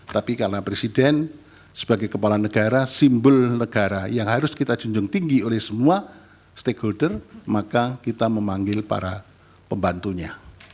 tapi karena presiden sebagai kepala negara simbol negara yang harus kita junjung tinggi oleh semua stakeholder maka kita memanggil para pembantunya